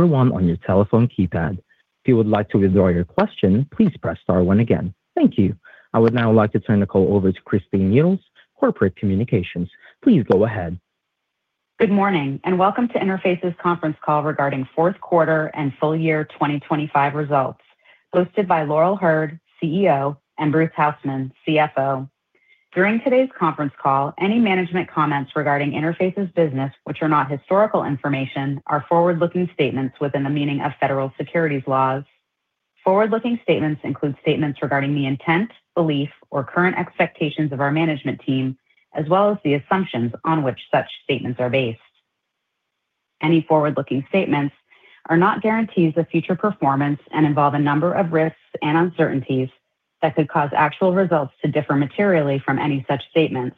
one on your telephone keypad. If you would like to withdraw your question, please press star one again. Thank you. I would now like to turn the call over to Christine Needles, Corporate Communications. Please go ahead. Good morning, and welcome to Interface's conference call regarding fourth quarter and full year 2025 results, hosted by Laurel Hurd, CEO, and Bruce Hausmann, CFO. During today's conference call, any management comments regarding Interface's business, which are not historical information, are forward-looking statements within the meaning of federal securities laws. Forward-looking statements include statements regarding the intent, belief, or current expectations of our management team, as well as the assumptions on which such statements are based. Any forward-looking statements are not guarantees of future performance and involve a number of risks and uncertainties that could cause actual results to differ materially from any such statements,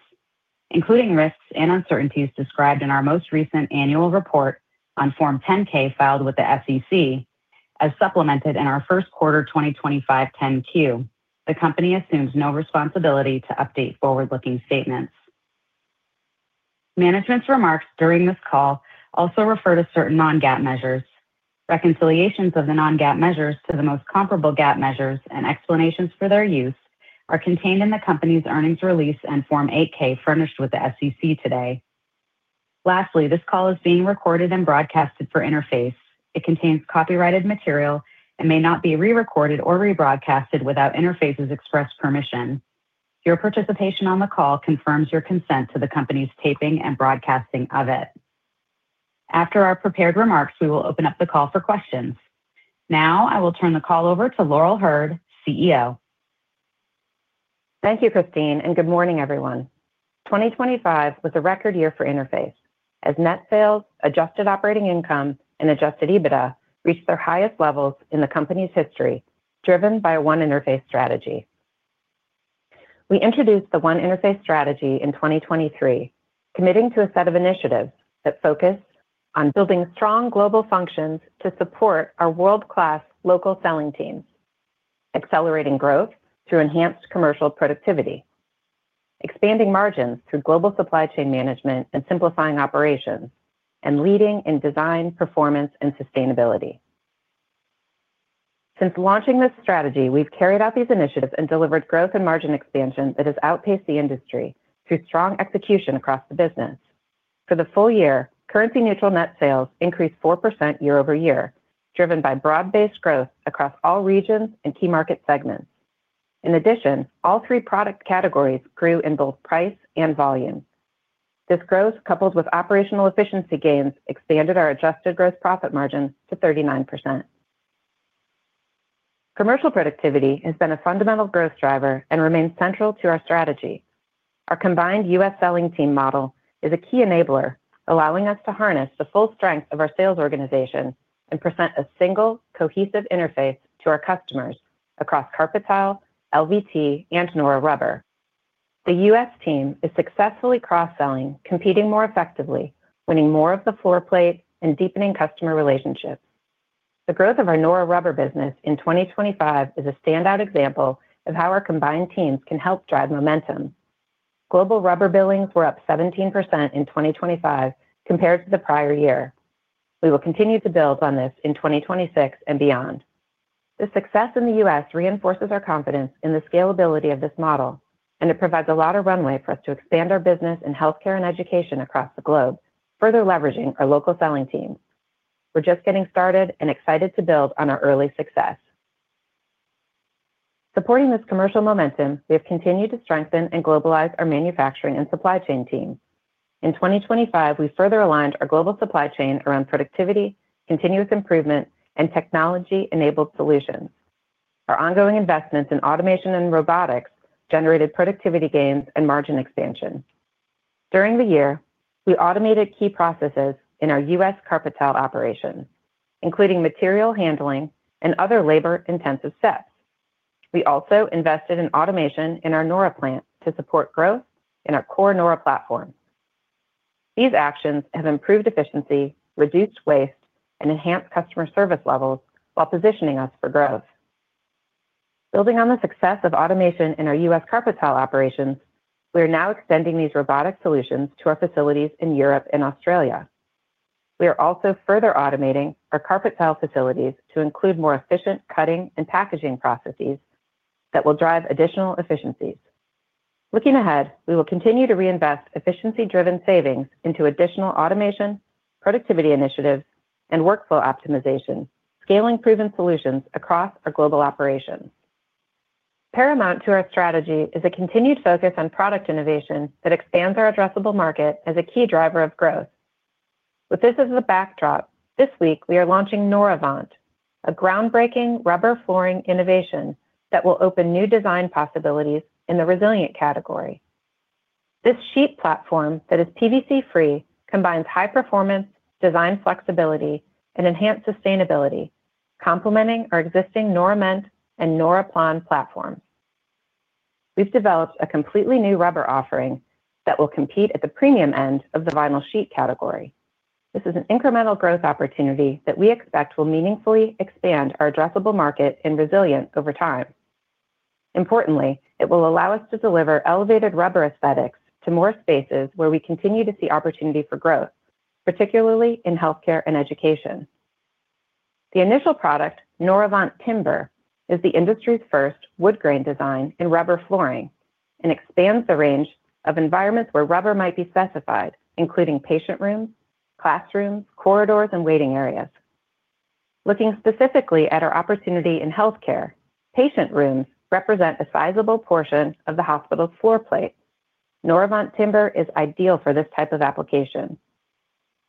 including risks and uncertainties described in our most recent annual report on Form 10-K filed with the SEC, as supplemented in our first quarter 2025 Form 10-Q. The company assumes no responsibility to update forward-looking statements. Management's remarks during this call also refer to certain non-GAAP measures. Reconciliations of the non-GAAP measures to the most comparable GAAP measures and explanations for their use are contained in the company's earnings release and Form 8-K furnished with the SEC today. Lastly, this call is being recorded and broadcasted for Interface. It contains copyrighted material and may not be re-recorded or rebroadcasted without Interface's express permission. Your participation on the call confirms your consent to the company's taping and broadcasting of it. After our prepared remarks, we will open up the call for questions. Now, I will turn the call over to Laurel Hurd, CEO. Thank you, Christine, and good morning, everyone. 2025 was a record year for Interface, as net sales, adjusted operating income, and adjusted EBITDA reached their highest levels in the company's history, driven by a One Interface strategy. We introduced the One Interface strategy in 2023, committing to a set of initiatives that focus on building strong global functions to support our world-class local selling teams, accelerating growth through enhanced commercial productivity, expanding margins through global supply chain management and simplifying operations, and leading in design, performance, and sustainability. Since launching this strategy, we've carried out these initiatives and delivered growth and margin expansion that has outpaced the industry through strong execution across the business. For the full year, currency-neutral net sales increased 4% year-over-year, driven by broad-based growth across all regions and key market segments. In addition, all three product categories grew in both price and volume. This growth, coupled with operational efficiency gains, expanded our adjusted gross profit margin to 39%. Commercial productivity has been a fundamental growth driver and remains central to our strategy. Our combined U.S. selling team model is a key enabler, allowing us to harness the full strength of our sales organization and present a single, cohesive Interface to our customers across carpet tile, LVT, nora Rubber. the U.S. team is successfully cross-selling, competing more effectively, winning more of the floor plate, and deepening customer relationships. The growth of nora Rubber business in 2025 is a standout example of how our combined teams can help drive momentum. Global rubber billings were up 17% in 2025 compared to the prior year. We will continue to build on this in 2026 and beyond. This success in the U.S. reinforces our confidence in the scalability of this model. It provides a lot of runway for us to expand our business in healthcare and education across the globe, further leveraging our local selling teams. We're just getting started and excited to build on our early success. Supporting this commercial momentum, we have continued to strengthen and globalize our manufacturing and supply chain team. In 2025, we further aligned our global supply chain around productivity, continuous improvement, and technology-enabled solutions. Our ongoing investments in automation and robotics generated productivity gains and margin expansion. During the year, we automated key processes in our U.S. carpet tile operations, including material handling and other labor-intensive steps. We also invested in automation in our noraplan to support growth in our core nora platform. These actions have improved efficiency, reduced waste, and enhanced customer service levels while positioning us for growth. Building on the success of automation in our U.S. carpet tile operations, we are now extending these robotic solutions to our facilities in Europe and Australia. We are also further automating our carpet tile facilities to include more efficient cutting and packaging processes that will drive additional efficiencies. Looking ahead, we will continue to reinvest efficiency-driven savings into additional automation, productivity initiatives, and workflow optimization, scaling proven solutions across our global operations. Paramount to our strategy is a continued focus on product innovation that expands our addressable market as a key driver of growth. With this as the backdrop, this week we are launching noravant, a groundbreaking rubber flooring innovation that will open new design possibilities in the resilient category. This sheet platform, that is PVC-free, combines high performance, design flexibility, and enhanced sustainability, complementing our existing norament and noraplan platforms. We've developed a completely new rubber offering that will compete at the premium end of the vinyl sheet category. This is an incremental growth opportunity that we expect will meaningfully expand our addressable market in resilient over time. Importantly, it will allow us to deliver elevated rubber aesthetics to more spaces where we continue to see opportunity for growth, particularly in healthcare and education. The initial product, noravant timber, is the industry's first wood grain design in rubber flooring and expands the range of environments where rubber might be specified, including patient rooms, classrooms, corridors, and waiting areas. Looking specifically at our opportunity in healthcare, patient rooms represent a sizable portion of the hospital's floor plate. noravant timber is ideal for this type of application.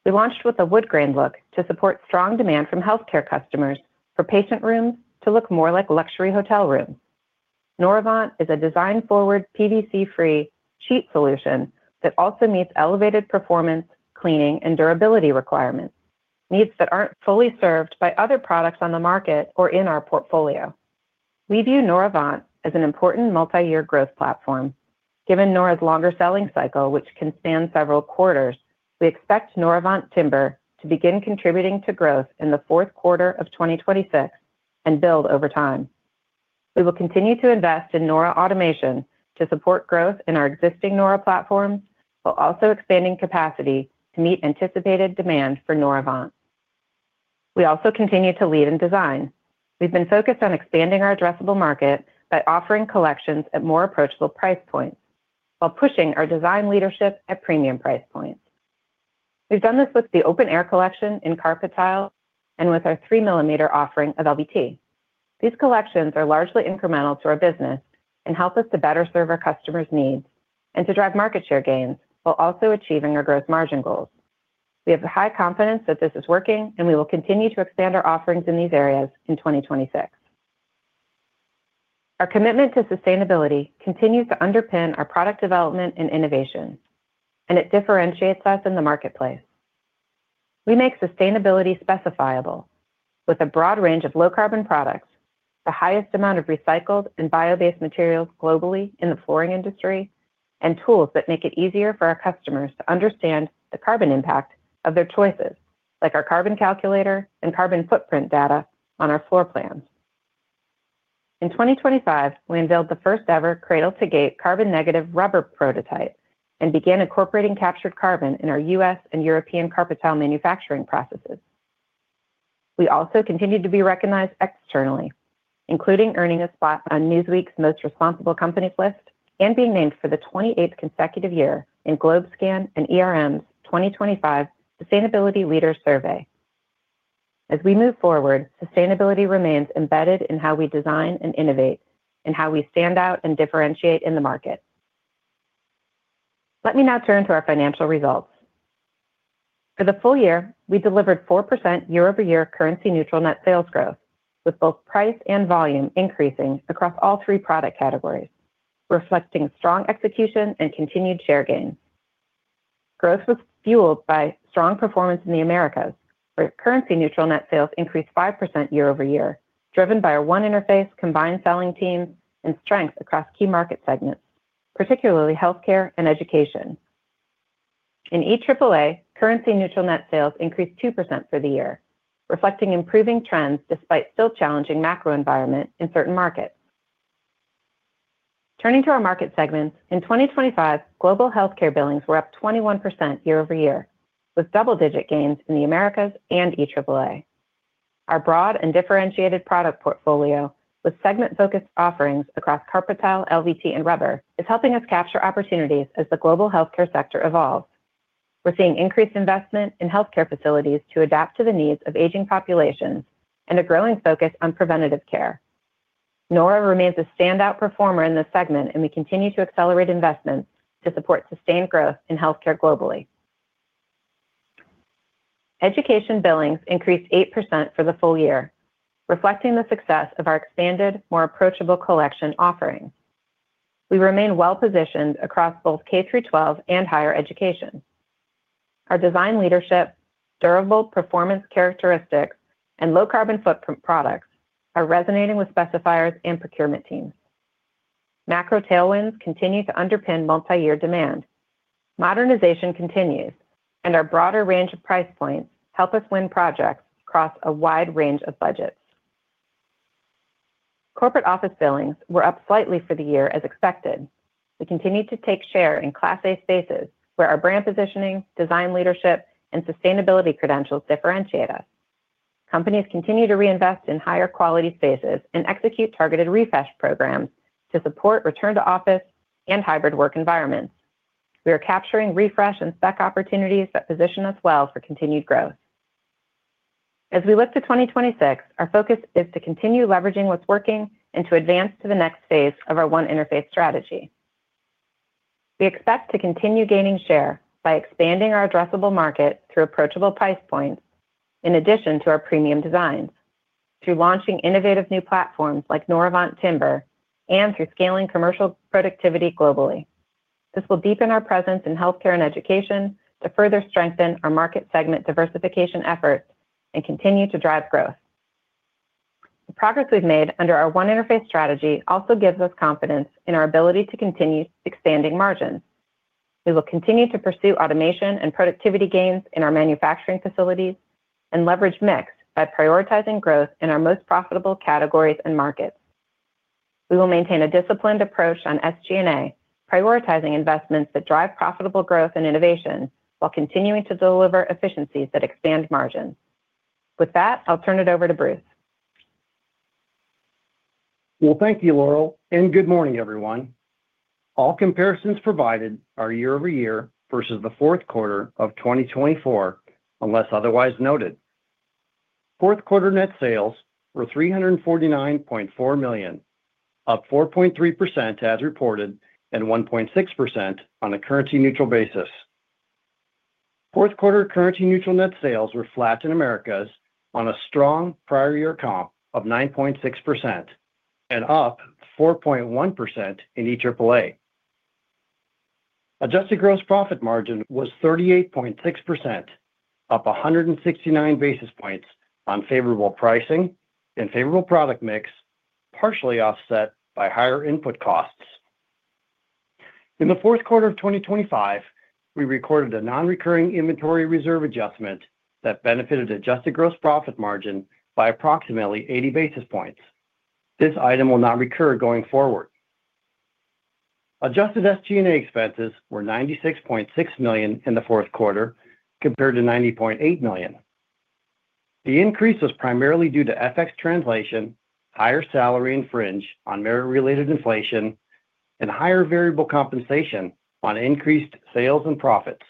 We launched with a wood grain look to support strong demand from healthcare customers for patient rooms to look more like luxury hotel rooms. noravant is a design-forward, PVC-free sheet solution that also meets elevated performance, cleaning, and durability requirements, needs that aren't fully served by other products on the market or in our portfolio. We view noravant as an important multi-year growth platform. Given nora's longer selling cycle, which can span several quarters, we expect noravant timber to begin contributing to growth in the fourth quarter of 2026 and build over time. We will continue to invest in nora automation to support growth in our existing Nora platforms, while also expanding capacity to meet anticipated demand for noravant. We also continue to lead in design. We've been focused on expanding our addressable market by offering collections at more approachable price points while pushing our design leadership at premium price points. We've done this with the Open Air collection in carpet tile and with our 3-mm offering of LVT. These collections are largely incremental to our business and help us to better serve our customers' needs and to drive market share gains, while also achieving our growth margin goals. We have high confidence that this is working, and we will continue to expand our offerings in these areas in 2026. Our commitment to sustainability continues to underpin our product development and innovation, and it differentiates us in the marketplace. We make sustainability specifiable with a broad range of low-carbon products, the highest amount of recycled and bio-based materials globally in the flooring industry, and tools that make it easier for our customers to understand the carbon impact of their choices, like our Carbon Calculator and carbon footprint data on our floor plans. In 2025, we unveiled the first-ever cradle-to-gate carbon negative rubber prototype and began incorporating captured carbon in our U.S. and European carpet tile manufacturing processes. We also continued to be recognized externally, including earning a spot on Newsweek's Most Responsible Companies list and being named for the 28th consecutive year in GlobeScan and ERM's 2025 Sustainability Leaders Survey. As we move forward, sustainability remains embedded in how we design and innovate and how we stand out and differentiate in the market. Let me now turn to our financial results. For the full year, we delivered 4% year-over-year currency-neutral net sales growth, with both price and volume increasing across all three product categories, reflecting strong execution and continued share gains. Growth was fueled by strong performance in the Americas, where currency-neutral net sales increased 5% year-over-year, driven by our One Interface, combined selling team, and strength across key market segments, particularly healthcare and education. In EAAA, currency-neutral net sales increased 2% for the year, reflecting improving trends despite still challenging macro environment in certain markets. Turning to our market segments, in 2025, global healthcare billings were up 21% year-over-year, with double-digit gains in the Americas and EAAA. Our broad and differentiated product portfolio, with segment-focused offerings across carpet tile, LVT, and rubber, is helping us capture opportunities as the global healthcare sector evolves. We're seeing increased investment in healthcare facilities to adapt to the needs of aging populations and a growing focus on preventative care. nora remains a standout performer in this segment, and we continue to accelerate investments to support sustained growth in healthcare globally. Education billings increased 8% for the full year, reflecting the success of our expanded, more approachable collection offerings. We remain well-positioned across both K-12 and higher education. Our design leadership, durable performance characteristics, and low carbon footprint products are resonating with specifiers and procurement teams. Macro tailwinds continue to underpin multi-year demand. Modernization continues, and our broader range of price points help us win projects across a wide range of budgets. Corporate office billings were up slightly for the year, as expected. We continued to take share in Class A spaces, where our brand positioning, design leadership, and sustainability credentials differentiate us. Companies continue to reinvest in higher quality spaces and execute targeted refresh programs to support return to office and hybrid work environments. We are capturing refresh and spec opportunities that position us well for continued growth. As we look to 2026, our focus is to continue leveraging what's working and to advance to the next phase of our One Interface strategy. We expect to continue gaining share by expanding our addressable market through approachable price points, in addition to our premium designs, through launching innovative new platforms like noravant timber, and through scaling commercial productivity globally. This will deepen our presence in healthcare and education to further strengthen our market segment diversification efforts and continue to drive growth. The progress we've made under our One Interface strategy also gives us confidence in our ability to continue expanding margins. We will continue to pursue automation and productivity gains in our manufacturing facilities and leverage mix by prioritizing growth in our most profitable categories and markets. We will maintain a disciplined approach on SG&A, prioritizing investments that drive profitable growth and innovation, while continuing to deliver efficiencies that expand margins. With that, I'll turn it over to Bruce. Thank you, Laurel, and good morning, everyone. All comparisons provided are year-over-year versus the fourth quarter of 2024, unless otherwise noted. Fourth quarter net sales were $349.4 million, up 4.3% as reported, and 1.6% on a currency-neutral basis. Fourth quarter currency-neutral net sales were flat in Americas on a strong prior year comp of 9.6% and up 4.1% in EAAA. Adjusted gross profit margin was 38.6%, up 169 basis points on favorable pricing and favorable product mix, partially offset by higher input costs. In the fourth quarter of 2025, we recorded a non-recurring inventory reserve adjustment that benefited adjusted gross profit margin by approximately 80 basis points. This item will not recur going forward. Adjusted SG&A expenses were $96.6 million in the fourth quarter, compared to $90.8 million. The increase was primarily due to FX translation, higher salary and fringe on merit-related inflation, and higher variable compensation on increased sales and profits.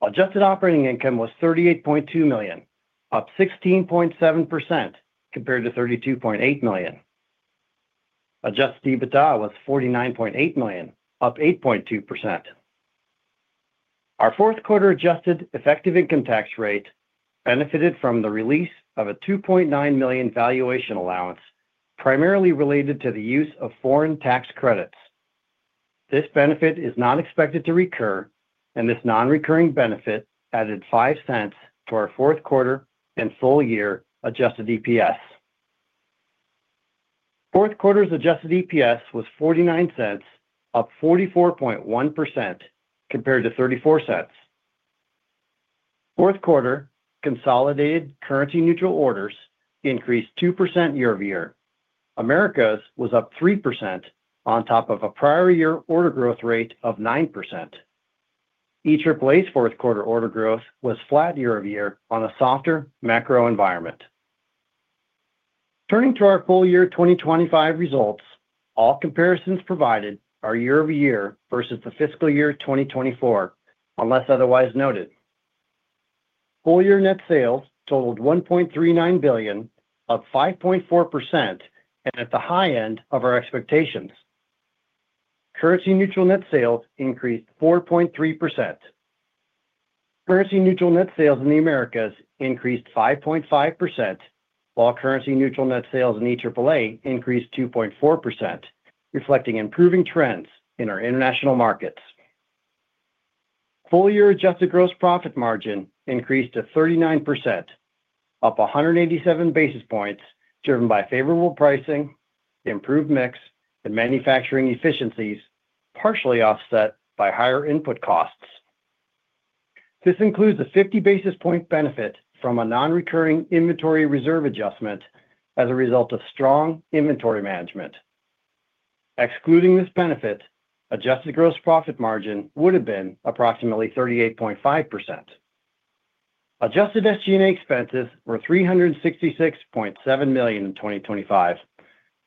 adjusted operating income was $38.2 million, up 16.7% compared to $32.8 million. Adjusted EBITDA was $49.8 million, up 8.2%. Our fourth quarter adjusted effective income tax rate benefited from the release of a $2.9 million valuation allowance, primarily related to the use of foreign tax credits. This benefit is not expected to recur, and this non-recurring benefit added $0.05 to our fourth quarter and full year adjusted EPS. Fourth quarter's adjusted EPS was $0.49, up 44.1% compared to $0.34. Fourth quarter consolidated currency-neutral orders increased 2% year-over-year. Americas was up 3% on top of a prior year order growth rate of 9%. EAAA's fourth quarter order growth was flat year-over-year on a softer macro environment. Turning to our full year 2025 results, all comparisons provided are year-over-year versus the fiscal year 2024, unless otherwise noted. Full year net sales totaled $1.39 billion, up 5.4% and at the high end of our expectations. Currency-neutral net sales increased 4.3%. Currency-neutral net sales in the Americas increased 5.5%, while currency-neutral net sales in EAAA increased 2.4%, reflecting improving trends in our international markets. Full year adjusted gross profit margin increased to 39%, up 187 basis points, driven by favorable pricing, improved mix, and manufacturing efficiencies, partially offset by higher input costs. This includes a 50 basis point benefit from a non-recurring inventory reserve adjustment as a result of strong inventory management. Excluding this benefit, adjusted gross profit margin would have been approximately 38.5%. Adjusted SG&A expenses were $366.7 million in 2025,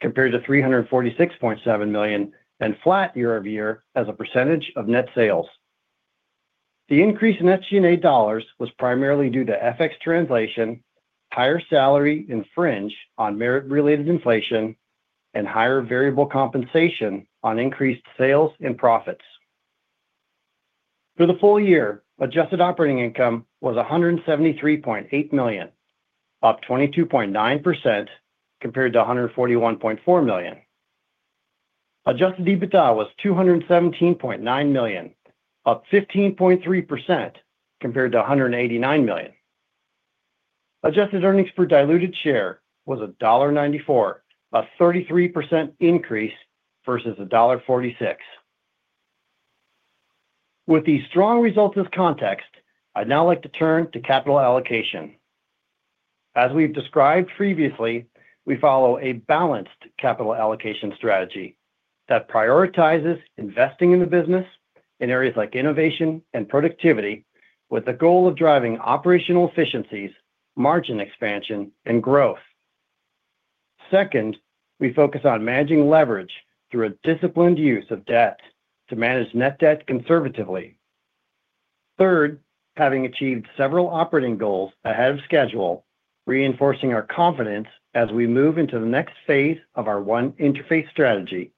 compared to $346.7 million and flat year-over-year as a percentage of net sales. The increase in SG&A dollars was primarily due to FX translation, higher salary and fringe on merit-related inflation, and higher variable compensation on increased sales and profits. For the full year, adjusted operating income was $173.8 million, up 22.9% compared to $141.4 million. Adjusted EBITDA was $217.9 million, up 15.3% compared to $189 million. Adjusted earnings per diluted share was $1.94, a 33% increase versus $1.46. With these strong results as context, I'd now like to turn to capital allocation. As we've described previously, we follow a balanced capital allocation strategy that prioritizes investing in the business in areas like innovation and productivity, with the goal of driving operational efficiencies, margin expansion, and growth. Second, we focus on managing leverage through a disciplined use of debt to manage net debt conservatively. Third, having achieved several operating goals ahead of schedule, reinforcing our confidence as we move into the next phase of our One Interface strategy,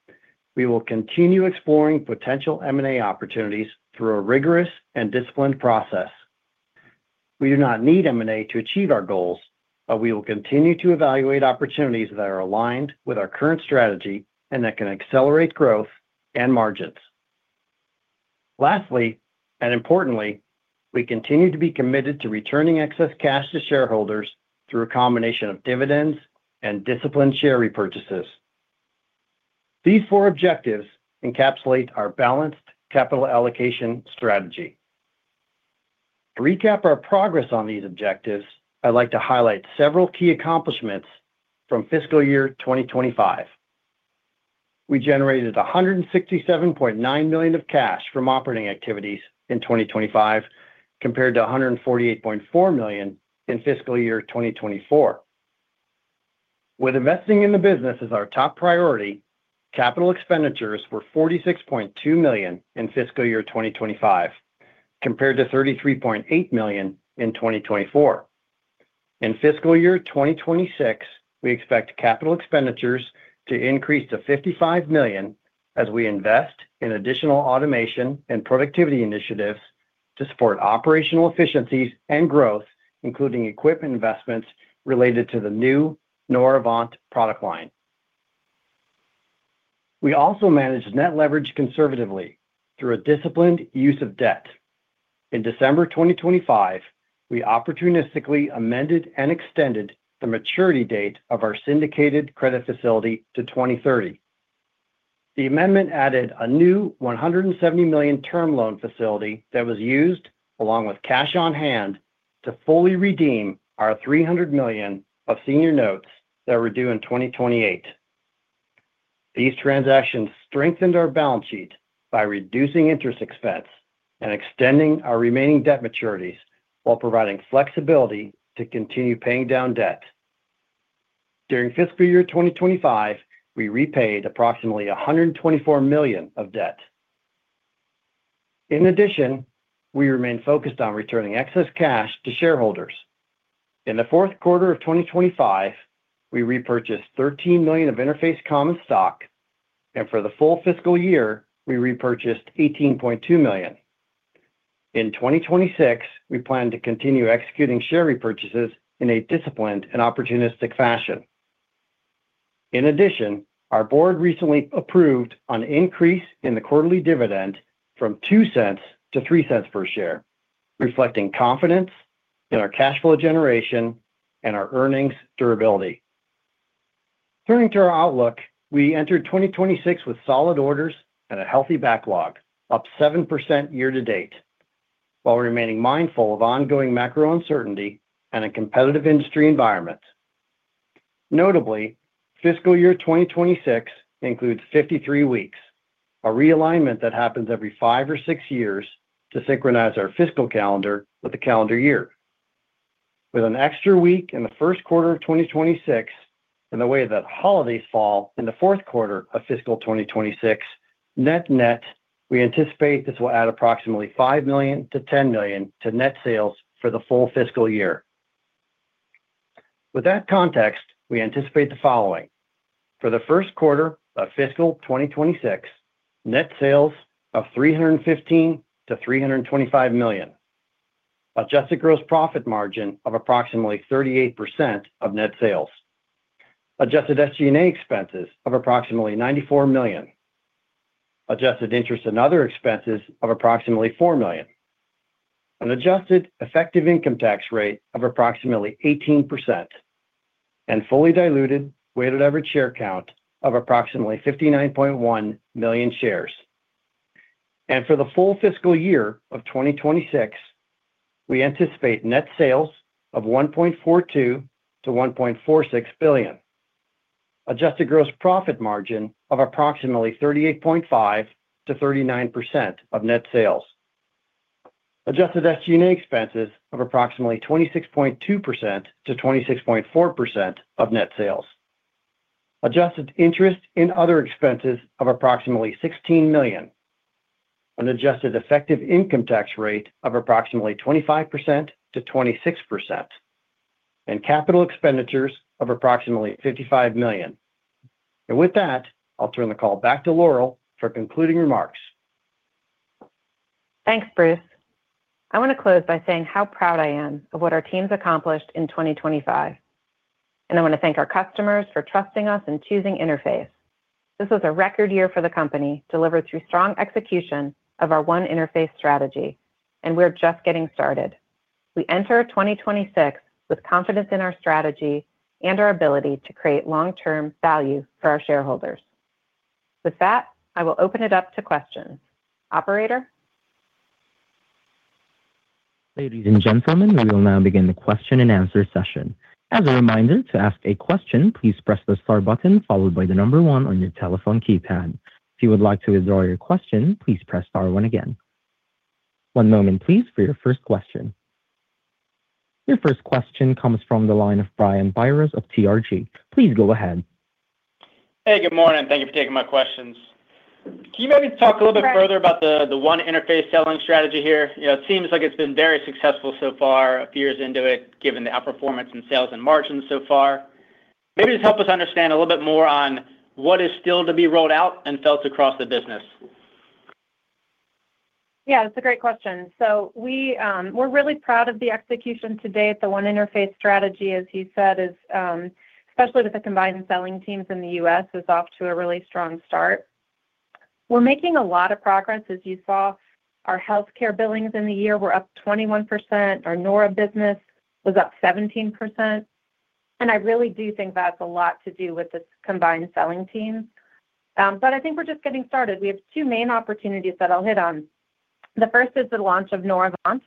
we will continue exploring potential M&A opportunities through a rigorous and disciplined process. We do not need M&A to achieve our goals, we will continue to evaluate opportunities that are aligned with our current strategy and that can accelerate growth and margins. Lastly, importantly, we continue to be committed to returning excess cash to shareholders through a combination of dividends and disciplined share repurchases. These four objectives encapsulate our balanced capital allocation strategy. To recap our progress on these objectives, I'd like to highlight several key accomplishments from fiscal year 2025. We generated $167.9 million of cash from operating activities in 2025, compared to $148.4 million in fiscal year 2024. With investing in the business as our top priority, capital expenditures were $46.2 million in fiscal year 2025, compared to $33.8 million in 2024. In fiscal year 2026, we expect capital expenditures to increase to $55 million as we invest in additional automation and productivity initiatives to support operational efficiencies and growth, including equipment investments related to the new noravant product line. We also managed net leverage conservatively through a disciplined use of debt. In December 2025, we opportunistically amended and extended the maturity date of our syndicated credit facility to 2030. The amendment added a new $170 million term loan facility that was used, along with cash on hand, to fully redeem our $300 million of senior notes that were due in 2028. These transactions strengthened our balance sheet by reducing interest expense and extending our remaining debt maturities while providing flexibility to continue paying down debt. During fiscal year 2025, we repaid approximately $124 million of debt. We remain focused on returning excess cash to shareholders. In the fourth quarter of 2025, we repurchased $13 million of Interface common stock, and for the full fiscal year, we repurchased $18.2 million. In 2026, we plan to continue executing share repurchases in a disciplined and opportunistic fashion. Our board recently approved an increase in the quarterly dividend from $0.02 to $0.03 per share, reflecting confidence in our cash flow generation and our earnings durability. Turning to our outlook, we entered 2026 with solid orders and a healthy backlog, up 7% year-to-date, while remaining mindful of ongoing macro uncertainty and a competitive industry environment. Notably, fiscal year 2026 includes 53 weeks, a realignment that happens every five or six years to synchronize our fiscal calendar with the calendar year. With an extra week in the first quarter of 2026, and the way that holidays fall in the fourth quarter of fiscal 2026, net-net, we anticipate this will add approximately $5 million-$10 million to net sales for the full fiscal year. With that context, we anticipate the following: For the first quarter of fiscal 2026, net sales of $315 million-$325 million, adjusted gross profit margin of approximately 38% of net sales, adjusted SG&A expenses of approximately $94 million, adjusted interest and other expenses of approximately $4 million, an adjusted effective income tax rate of approximately 18%, and fully diluted weighted average share count of approximately 59.1 million shares. For the full fiscal year of 2026, we anticipate net sales of $1.42 billion-$1.46 billion, adjusted gross profit margin of approximately 38.5%-39% of net sales, adjusted SG&A expenses of approximately 26.2%-26.4% of net sales, adjusted interest in other expenses of approximately $16 million, an adjusted effective income tax rate of approximately 25%-26%, and capital expenditures of approximately $55 million. With that, I'll turn the call back to Laurel for concluding remarks. Thanks, Bruce. I want to close by saying how proud I am of what our team's accomplished in 2025. I want to thank our customers for trusting us and choosing Interface. This was a record year for the company, delivered through strong execution of our One Interface strategy. We're just getting started. We enter 2026 with confidence in our strategy and our ability to create long-term value for our shareholders. With that, I will open it up to questions. Operator? Ladies and gentlemen, we will now begin the question and answer session. As a reminder, to ask a question, please press the star button followed by one on your telephone keypad. If you would like to withdraw your question, please press star one again. One moment, please, for your first question. Your first question comes from the line of Brian Biros of TRG. Please go ahead. Hey, good morning. Thank you for taking my questions. Can you maybe talk a little bit further about the One Interface selling strategy here? You know, it seems like it's been very successful so far, a few years into it, given the outperformance in sales and margins so far. Maybe just help us understand a little bit more on what is still to be rolled out and felt across the business. Yeah, that's a great question. We're really proud of the execution to date. The One Interface strategy, as you said, is, especially with the combined selling teams in the U.S., is off to a really strong start. We're making a lot of progress. As you saw, our healthcare billings in the year were up 21%. Our nora business was up 17%, I really do think that's a lot to do with the combined selling team. I think we're just getting started. We have two main opportunities that I'll hit on. The first is the launch of noravant,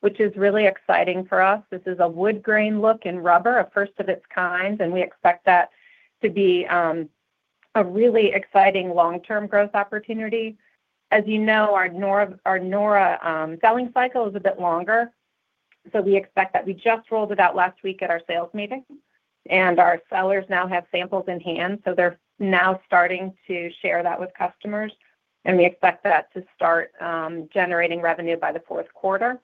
which is really exciting for us. This is a wood grain look in rubber, a first of its kind, we expect that to be a really exciting long-term growth opportunity. As you know, our nora selling cycle is a bit longer, we expect that. We just rolled it out last week at our sales meeting, our sellers now have samples in hand, they're now starting to share that with customers. We expect that to start generating revenue by the fourth quarter.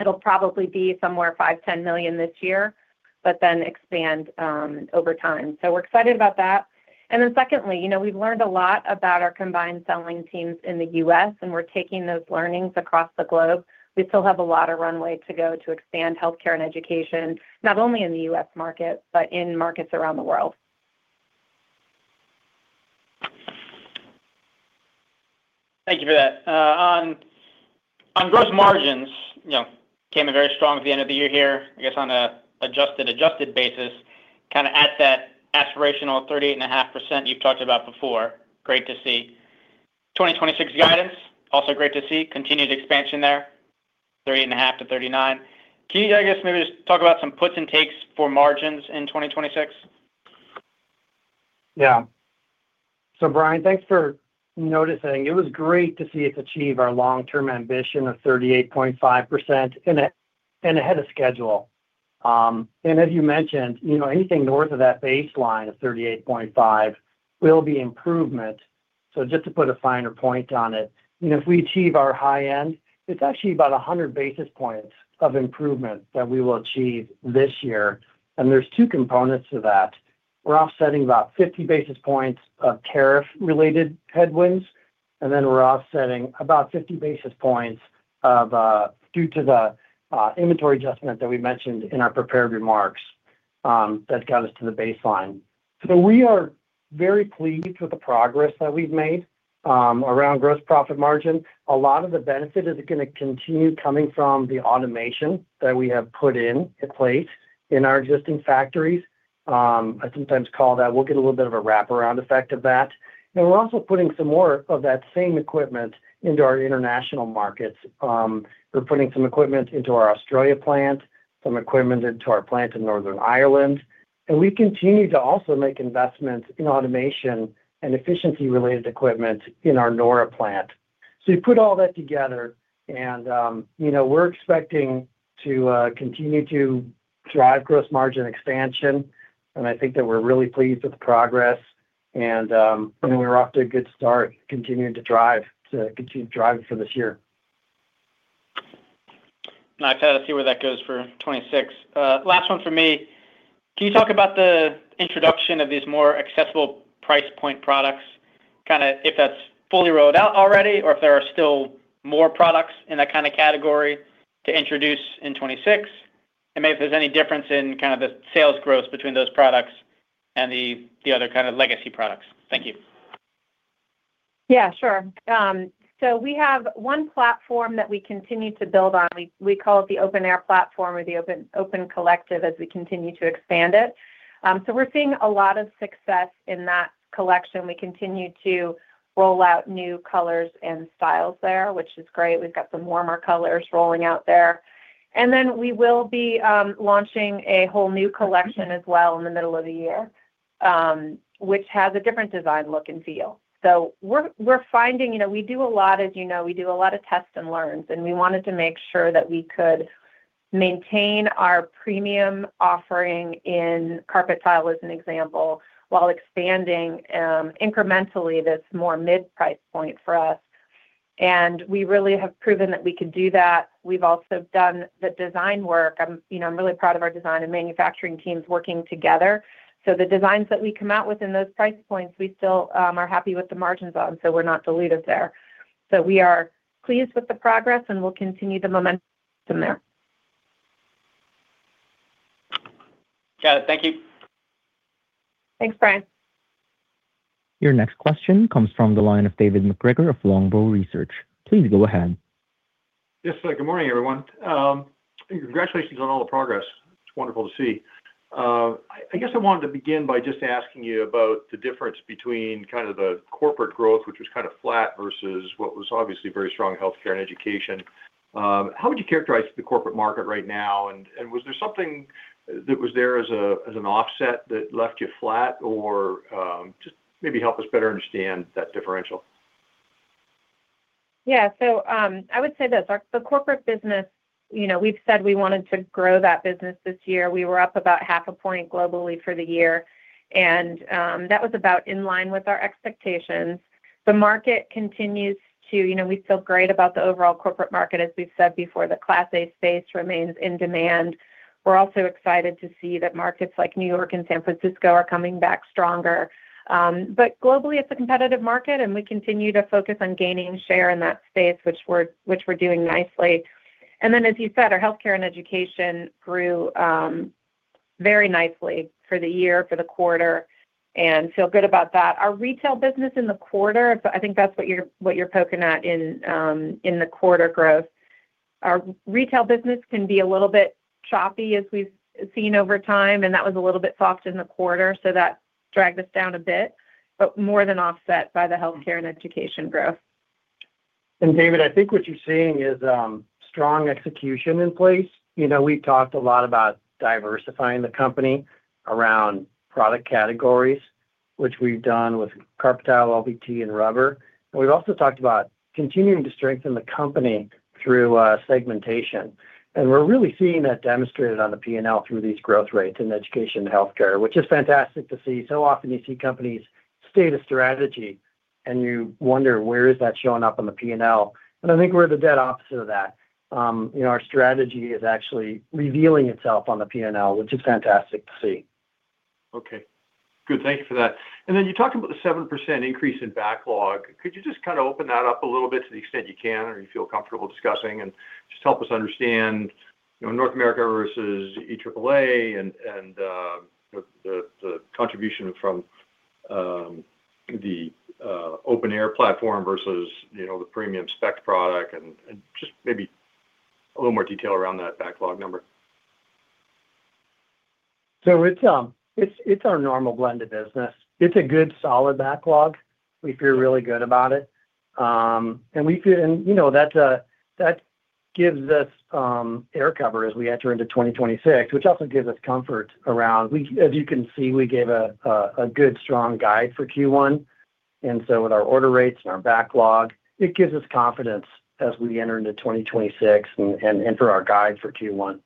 It'll probably be somewhere $5 million-$10 million this year, but then expand over time. We're excited about that. Secondly, you know, we've learned a lot about our combined selling teams in the U.S., and we're taking those learnings across the globe. We still have a lot of runway to go to expand healthcare and education, not only in the U.S. market, but in markets around the world. Thank you for that. On gross margins, you know, came in very strong at the end of the year here, I guess, on an adjusted basis, kinda at that aspirational 38.5% you've talked about before. Great to see. 2026 guidance, also great to see. Continued expansion there, 38.5%-39%. Can you, I guess, maybe just talk about some puts and takes for margins in 2026? Brian, thanks for noticing. It was great to see us achieve our long-term ambition of 38.5%, and ahead of schedule. As you mentioned, you know, anything north of that baseline of 38.5% will be improvement. Just to put a finer point on it, you know, if we achieve our high end, it's actually about 100 basis points of improvement that we will achieve this year. There's two components to that. We're offsetting about 50 basis points of tariff-related headwinds, and then we're offsetting about 50 basis points of due to the inventory adjustment that we mentioned in our prepared remarks, that got us to the baseline. We are very pleased with the progress that we've made around gross profit margin. A lot of the benefit is gonna continue coming from the automation that we have put in place in our existing factories. I sometimes call that, we'll get a little bit of a wraparound effect of that. We're also putting some more of that same equipment into our international markets. We're putting some equipment into our Australia plant, some equipment into our plant in Northern Ireland, and we continue to also make investments in automation and efficiency-related equipment in our noraplan. You put all that together and, you know, we're expecting to continue to drive gross margin expansion, and I think that we're really pleased with the progress. I think we're off to a good start, continuing to continue driving for this year. Nice to see where that goes for 2026. Last one from me. Can you talk about the introduction of these more accessible price point products, kinda if that's fully rolled out already, or if there are still more products in that kind of category to introduce in 2026? Maybe if there's any difference in kind of the sales growth between those products and the other kind of legacy products. Thank you. We have one platform that we continue to build on. We call it the Open Air platform or the Open Collective, as we continue to expand it. We're seeing a lot of success in that collection. We continue to roll out new colors and styles there, which is great. We've got some warmer colors rolling out there. We will be launching a whole new collection as well in the middle of the year, which has a different design look and feel. We're finding. You know, as you know, we do a lot of tests and learns, and we wanted to make sure that we could maintain our premium offering in carpet tile, as an example, while expanding incrementally, this more mid-price point for us. We really have proven that we could do that. We've also done the design work. I'm, you know, I'm really proud of our design and manufacturing teams working together. The designs that we come out with in those price points, we still are happy with the margins on, so we're not diluted there. We are pleased with the progress, and we'll continue the momentum there. Got it. Thank you. Thanks, Brian. Your next question comes from the line of David MacGregor of Longbow Research. Please go ahead. Yes. Good morning, everyone. Congratulations on all the progress. It's wonderful to see. I guess I wanted to begin by just asking you about the difference between kind of the corporate growth, which was kind of flat, versus what was obviously very strong healthcare and education. How would you characterize the corporate market right now, and was there something that was there as an offset that left you flat, or just maybe help us better understand that differential? I would say this, the corporate business, you know, we've said we wanted to grow that business this year. We were up about half a point globally for the year, that was about in line with our expectations. The market continues. You know, we feel great about the overall corporate market. As we've said before, the Class A space remains in demand. We're also excited to see that markets like New York and San Francisco are coming back stronger. Globally, it's a competitive market, we continue to focus on gaining share in that space, which we're doing nicely. As you said, our healthcare and education grew very nicely for the year, for the quarter, feel good about that. Our retail business in the quarter. I think that's what you're, what you're poking at in the quarter growth. Our retail business can be a little bit choppy, as we've seen over time, and that was a little bit soft in the quarter, so that dragged us down a bit, but more than offset by the healthcare and education growth. David, I think what you're seeing is strong execution in place. You know, we've talked a lot about diversifying the company around product categories, which we've done with carpet tile, LVT, and rubber. We've also talked about continuing to strengthen the company through segmentation. We're really seeing that demonstrated on the P&L through these growth rates in education and healthcare, which is fantastic to see. Often you see companies state a strategy, and you wonder, where is that showing up on the P&L? I think we're the dead opposite of that. You know, our strategy is actually revealing itself on the P&L, which is fantastic to see. Okay. Good, thank you for that. Then you talked about the 7% increase in backlog. Could you just kind of open that up a little bit to the extent you can or you feel comfortable discussing? Just help us understand, you know, North America versus EAAA and the contribution from the Open Air platform versus, you know, the premium spec product, and just maybe a little more detail around that backlog number. it's our normal blend of business. It's a good, solid backlog. We feel really good about it. you know, that gives us air cover as we enter into 2026, which also gives us comfort around. As you can see, we gave a good, strong guide for Q1, with our order rates and our backlog, it gives us confidence as we enter into 2026 and enter our guide for Q1.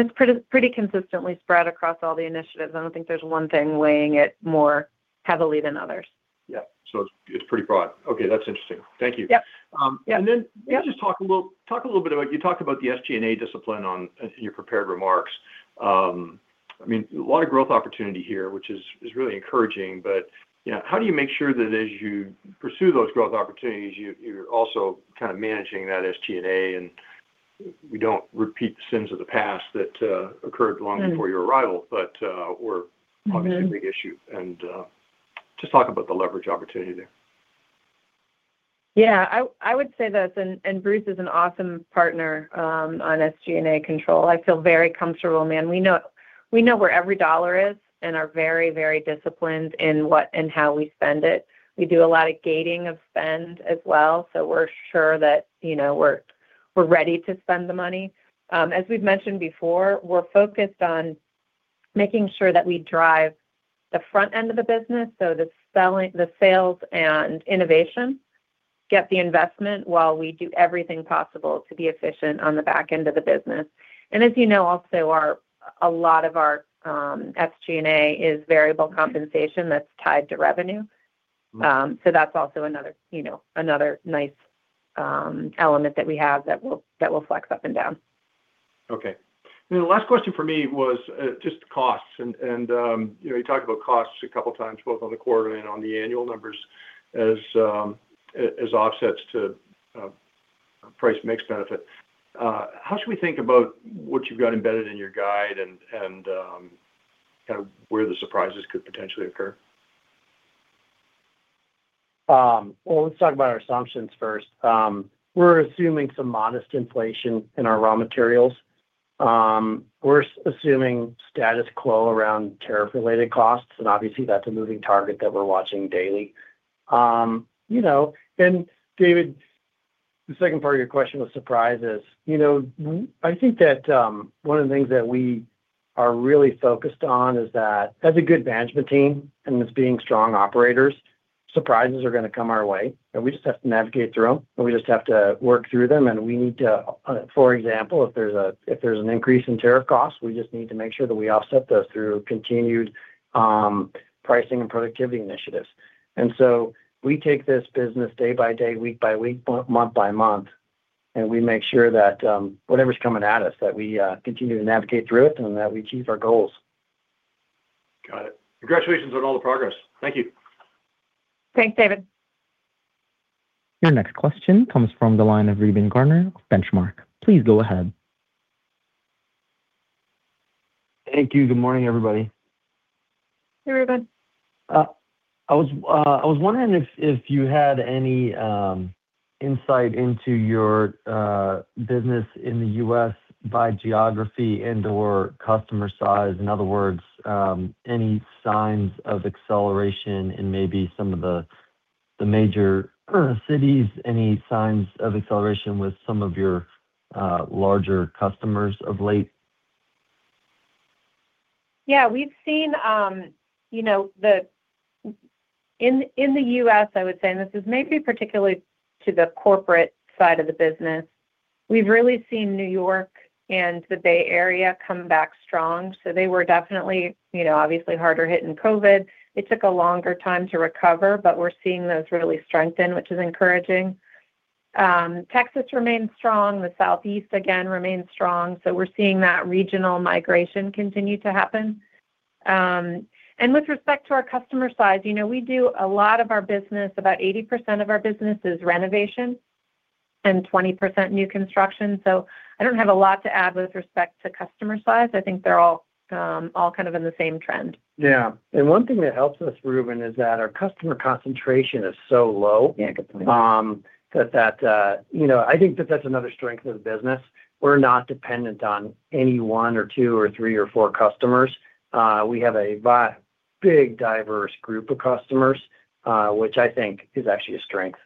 It's pretty consistently spread across all the initiatives. I don't think there's one thing weighing it more heavily than others. Yeah. It's pretty broad. Okay, that's interesting. Thank you. Yep. yeah. Just talk a little bit about. You talked about the SG&A discipline on, in your prepared remarks. I mean, a lot of growth opportunity here, which is really encouraging. You know, how do you make sure that as you pursue those growth opportunities, you're also kind of managing that SG&A, and we don't repeat the sins of the past that occurred long before your arrival, but, were a big issue. Just talk about the leverage opportunity there. Yeah. I would say this, and Bruce is an awesome partner on SG&A control. I feel very comfortable, man. We know where every dollar is and are very, very disciplined in what and how we spend it. We do a lot of gating of spend as well, so we're sure that, you know, we're ready to spend the money. As we've mentioned before, we're focused on making sure that we drive the front end of the business, so the selling, the sales and innovation get the investment while we do everything possible to be efficient on the back end of the business. As you know, also, a lot of our SG&A is variable compensation that's tied to revenue. That's also another, you know, another nice element that we have that will flex up and down. Okay. The last question for me was just costs. You know, you talked about costs a couple times, both on the quarter and on the annual numbers, as offsets to price mix benefit. How should we think about what you've got embedded in your guide and kind of where the surprises could potentially occur? Well, let's talk about our assumptions first. We're assuming some modest inflation in our raw materials. We're assuming status quo around tariff-related costs, and obviously, that's a moving target that we're watching daily. You know, and David, the second part of your question was surprises. You know, I think that, one of the things that we are really focused on is that as a good management team and as being strong operators, surprises are gonna come our way, and we just have to navigate through them, and we just have to work through them. We need to. For example, if there's an increase in tariff costs, we just need to make sure that we offset those through continued pricing and productivity initiatives. We take this business day by day, week by week, month by month, and we make sure that whatever's coming at us, that we continue to navigate through it and that we achieve our goals. Got it. Congratulations on all the progress. Thank you. Thanks, David. Your next question comes from the line of Reuben Garner, Benchmark. Please go ahead. Thank you. Good morning, everybody. Hey, Reuben. I was wondering if you had any insight into your business in the U.S. by geography and/or customer size? In other words, any signs of acceleration in maybe some of the major cities, any signs of acceleration with some of your larger customers of late? We've seen, you know, in the U.S., I would say, and this is maybe particularly to the corporate side of the business, we've really seen New York and the Bay Area come back strong. They were definitely, you know, obviously harder hit in COVID. It took a longer time to recover, but we're seeing those really strengthen, which is encouraging. Texas remains strong. The Southeast, again, remains strong. We're seeing that regional migration continue to happen. With respect to our customer size, you know, we do a lot of our business, about 80% of our business is renovation and 20% new construction. I don't have a lot to add with respect to customer size. I think they're all kind of in the same trend. Yeah. One thing that helps us, Reuben, is that our customer concentration is so low. Yeah, good point. That, you know, I think that that's another strength of the business. We're not dependent on any one or two or three or four customers. We have a big, diverse group of customers, which I think is actually a strength.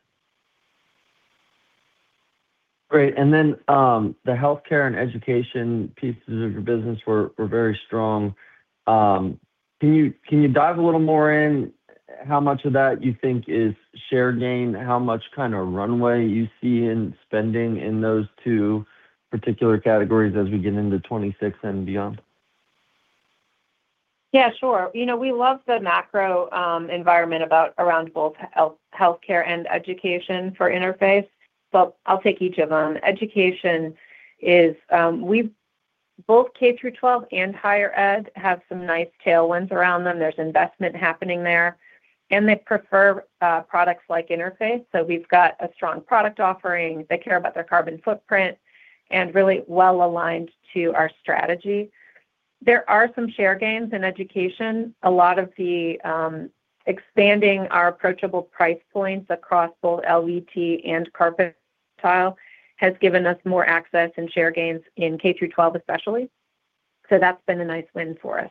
Great, the healthcare and education pieces of your business were very strong. Can you dive a little more in how much of that you think is share gain? How much kind of runway you see in spending in those two particular categories as we get into 2026 and beyond? Sure. You know, we love the macro environment around both healthcare and education for Interface. I'll take each of them. Education is. Both K-12 and higher ed have some nice tailwinds around them. There's investment happening there, and they prefer products like Interface, so we've got a strong product offering. They care about their carbon footprint and really well aligned to our strategy. There are some share gains in education. A lot of the expanding our approachable price points across both LVT and carpet tile has given us more access and share gains in K-12, especially. That's been a nice win for us.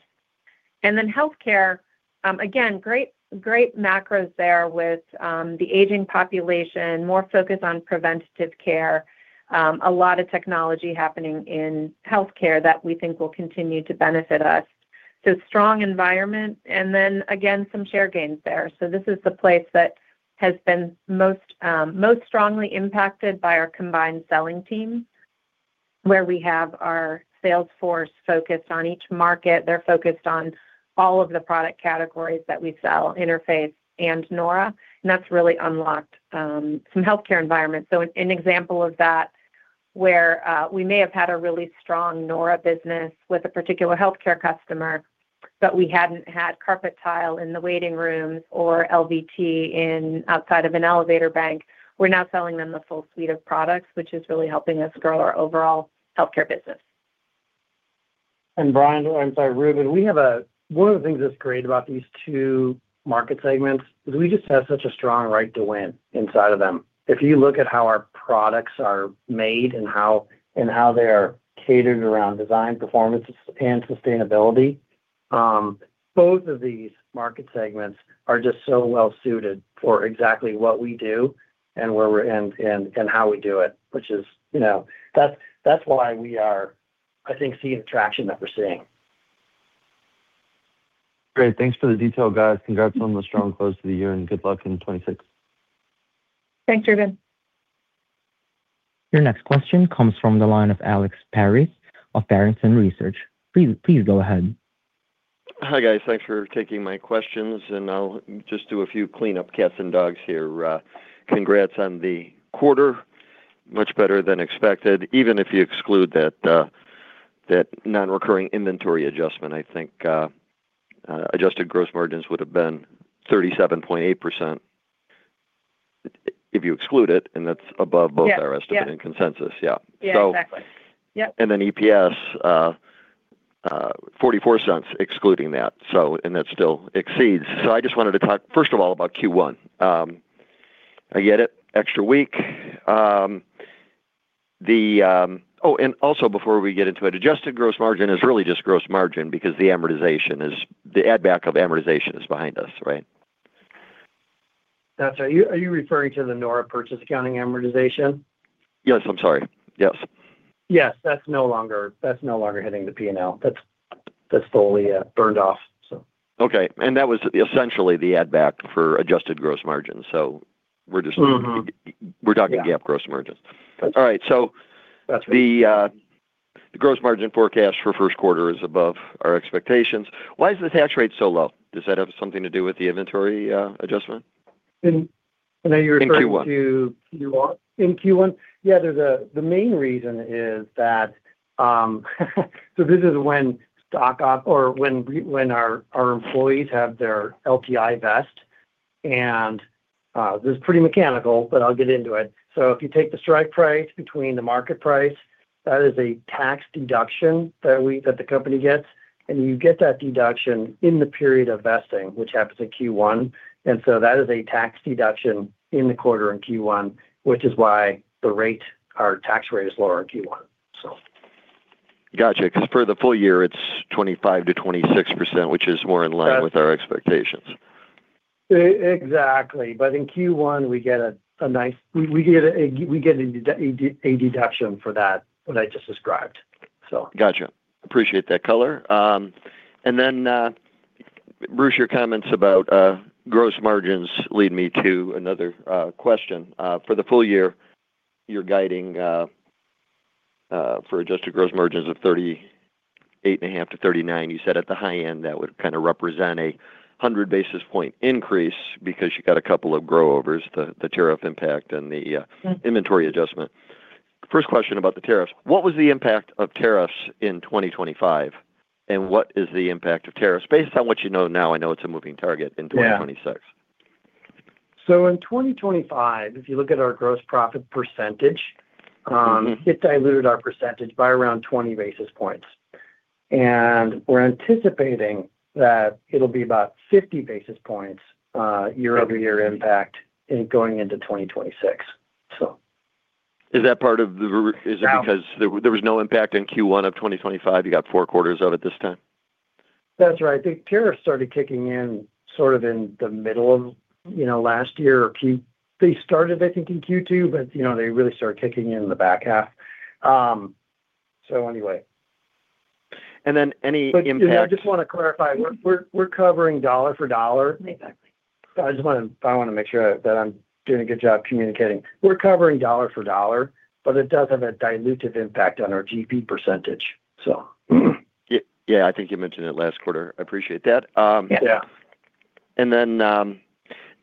Healthcare, again, great macros there with the aging population, more focus on preventative care, a lot of technology happening in healthcare that we think will continue to benefit us. Strong environment, and then again, some share gains there. This is the place that has been most strongly impacted by our combined selling team, where we have our sales force focused on each market. They're focused on all of the product categories that we sell, Interface and nora, and that's really unlocked some healthcare environments. An example of that, where we may have had a really strong nora business with a particular healthcare customer, but we hadn't had carpet tile in the waiting rooms or LVT in outside of an elevator bank. We're now selling them the full suite of products, which is really helping us grow our overall healthcare business. Brian, I'm sorry, Reuben, we have one of the things that's great about these two market segments is we just have such a strong right to win inside of them. If you look at how our products are made and how they are catered around design, performance, and sustainability, both of these market segments are just so well suited for exactly what we do and where we're and how we do it, which is, you know, that's why we are, I think, seeing the traction that we're seeing. Great. Thanks for the detail, guys. Congrats on the strong close to the year. Good luck in 2026. Thanks, Reuben. Your next question comes from the line of Alex Paris of Barrington Research. Please go ahead. Hi, guys. Thanks for taking my questions. I'll just do a few cleanup cats and dogs here. Congrats on the quarter. Much better than expected, even if you exclude that non-recurring inventory adjustment, I think, adjusted gross margins would have been 37.8% if you exclude it, that's above both- Yeah our estimate and consensus, yeah. Yeah, exactly. So- Yeah. EPS $0.44, excluding that still exceeds. I just wanted to talk, first of all, about Q1. I get it, extra week. Before we get into it, adjusted gross margin is really just gross margin because the amortization is, the add back of amortization is behind us, right? That's right. Are you referring to the nora purchase accounting amortization? Yes. I'm sorry. Yes. Yes. That's no longer hitting the P&L. That's fully burned off, so. Okay. That was essentially the add back for adjusted gross margin. we're talking GAAP gross margins. Yeah. All right. That's right. the gross margin forecast for first quarter is above our expectations. Why is the tax rate so low? Does that have something to do with the inventory adjustment? I know you're referring to. In Q1. Q1. In Q1? Yeah, the main reason is that, so this is when stock op or when our employees have their LPI vest, this is pretty mechanical, but I'll get into it. If you take the strike price between the market price, that is a tax deduction that we, that the company gets, and you get that deduction in the period of vesting, which happens in Q1. That is a tax deduction in the quarter in Q1, which is why the rate, our tax rate is lower in Q1. Gotcha, 'cause for the full year, it's 25%-26%, which is more in line- Right with our expectations. Exactly. In Q1, we get a deduction for that, what I just described. Gotcha. Appreciate that color. Then, Bruce, your comments about gross margins lead me to another question. For the full year, you're guiding for adjusted gross margins of 38.5%-39%. You said at the high end, that would kind of represent a 100 basis point increase because you got a couple of grow overs, the tariff impact and the inventory adjustment. First question about the tariffs. What was the impact of tariffs in 2025, and what is the impact of tariffs based on what you know now? I know it's a moving target in 2026. Yeah. In 2025, if you look at our gross profit percentage, it diluted our percentage by around 20 basis points. We're anticipating that it'll be about 50 basis points year-over-year impact in going into 2026. Is that part of the No. Is it because there was no impact in Q1 of 2025? You got four quarters out at this time? That's right. I think tariffs started kicking in, sort of in the middle of, you know, last year or They started, I think, in Q2, but, you know, they really started kicking in the back half. Anyway. Any impact. you know, I just want to clarify, we're covering dollar for dollar. Exactly. I just wanna make sure that I'm doing a good job communicating. We're covering dollar for dollar, but it does have a dilutive impact on our GP percentage. Yeah, I think you mentioned it last quarter. I appreciate that. Yeah. Then,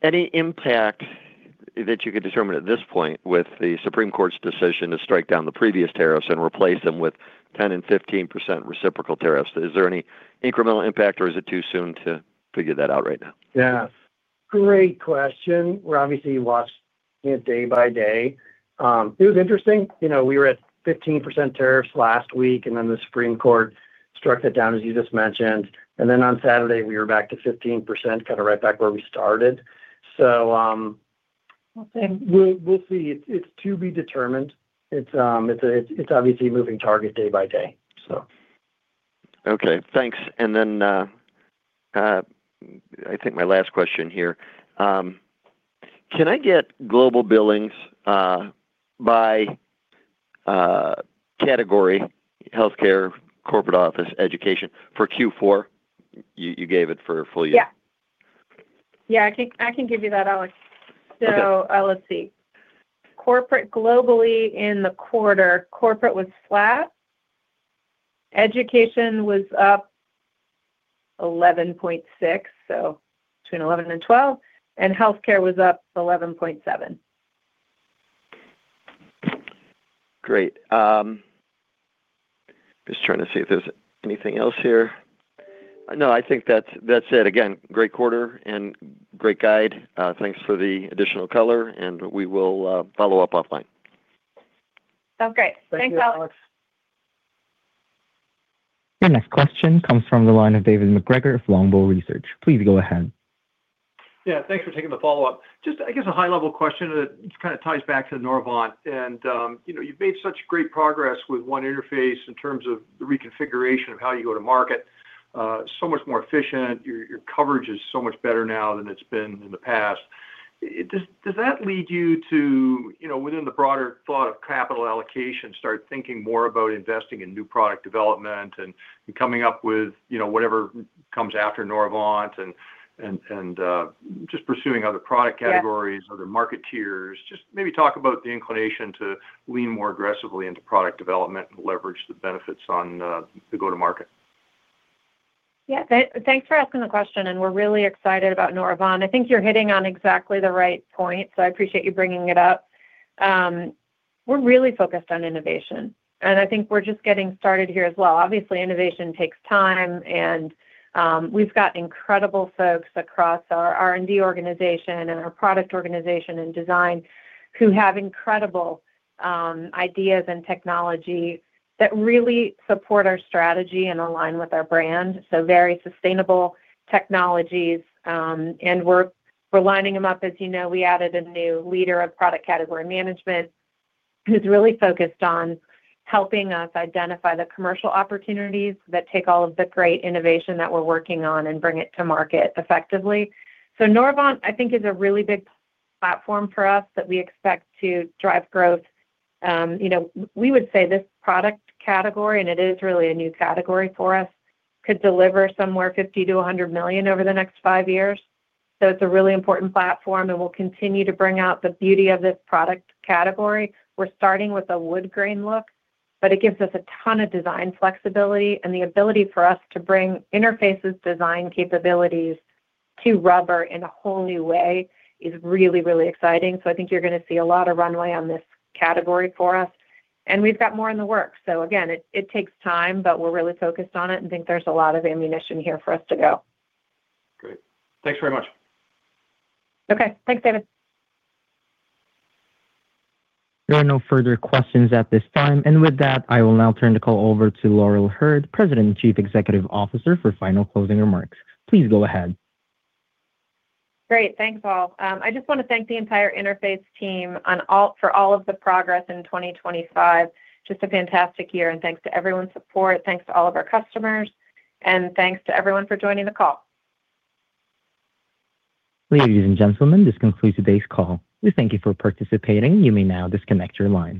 any impact that you could determine at this point with the Supreme Court's decision to strike down the previous tariffs and replace them with 10% and 15% reciprocal tariffs? Is there any incremental impact, or is it too soon to figure that out right now? Yeah. Great question. We're obviously watching it day by day. It was interesting, you know, we were at 15% tariffs last week. The Supreme Court struck that down, as you just mentioned. On Saturday, we were back to 15%, kinda right back where we started. We'll see. It's to be determined. It's obviously a moving target day by day. Okay, thanks. I think my last question here. Can I get global billings by category, healthcare, corporate office, education, for Q4? You gave it for full year. Yeah, I can give you that, Alex. Okay. Let's see. Corporate globally in the quarter, corporate was flat. Education was up 11.6, so between 11 and 12, and healthcare was up 11.7. Great. just trying to see if there's anything else here. no, I think that's it. Again, great quarter and great guide. thanks for the additional color, and we will follow up offline. Sounds great. Thanks, Alex. Thank you, Alex. Your next question comes from the line of David MacGregor of Longbow Research. Please go ahead. Yeah, thanks for taking the follow-up. Just, I guess, a high-level question that kind of ties back to noravant. You know, you've made such great progress with One Interface in terms of the reconfiguration of how you go to market. So much more efficient, your coverage is so much better now than it's been in the past. Does that lead you to, you know, within the broader thought of capital allocation, start thinking more about investing in new product development and coming up with, you know, whatever comes after noravant and just pursuing other product categories? Other market tiers? Just maybe talk about the inclination to lean more aggressively into product development and leverage the benefits on the go-to-market. Yeah. Thanks for asking the question, and we're really excited about noravant. I think you're hitting on exactly the right point, so I appreciate you bringing it up. We're really focused on innovation, and I think we're just getting started here as well. Obviously, innovation takes time, and we've got incredible folks across our R&D organization and our product organization and design who have incredible ideas and technology that really support our strategy and align with our brand. Very sustainable technologies, and we're lining them up. As you know, we added a new leader of product category management, who's really focused on helping us identify the commercial opportunities that take all of the great innovation that we're working on and bring it to market effectively. noravant, I think, is a really big platform for us that we expect to drive growth. You know, we would say this product category, and it is really a new category for us, could deliver somewhere $50 million-$100 million over the next five years. It's a really important platform, and we'll continue to bring out the beauty of this product category. We're starting with a wood grain look, but it gives us a ton of design flexibility and the ability for us to bring Interface's design capabilities to rubber in a whole new way is really, really exciting. I think you're gonna see a lot of runway on this category for us, and we've got more in the works. Again, it takes time, but we're really focused on it and think there's a lot of ammunition here for us to go. Great. Thanks very much. Okay. Thanks, David. There are no further questions at this time. With that, I will now turn the call over to Laurel Hurd, President and Chief Executive Officer, for final closing remarks. Please go ahead. Great. Thanks, all. I just want to thank the entire Interface team for all of the progress in 2025. Just a fantastic year, and thanks to everyone's support, thanks to all of our customers, and thanks to everyone for joining the call. Ladies and gentlemen, this concludes today's call. We thank you for participating. You may now disconnect your lines.